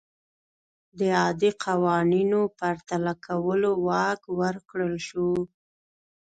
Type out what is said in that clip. د عادي قوانینو پرتله کولو واک ورکړل شو.